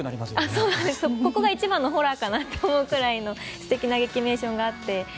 そこが一番のホラーかなと思うくらいのゲキメーションがあって。